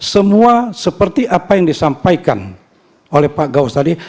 semua seperti apa yang disampaikan oleh pak gaus tadi